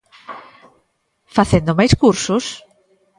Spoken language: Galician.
Facendo máis cursos?